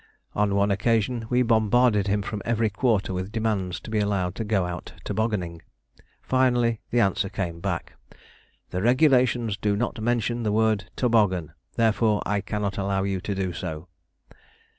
On one occasion we bombarded him from every quarter with demands to be allowed to go out tobogganing. Finally the answer came back: "The Regulations do not mention the word 'toboggan'; therefore, I cannot allow you to do so."